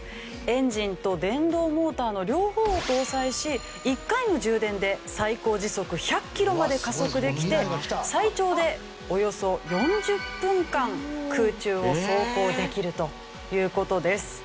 エンジンと電動モーターの両方を搭載し１回の充電で最高時速１００キロまで加速できて最長でおよそ４０分間空中を走行できるという事です。